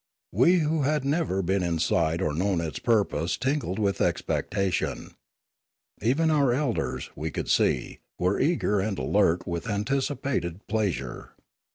We who had never been inside or known its purpose tingled with expectation. Even our elders, we could see, were eager and alert with anticipated pleasure.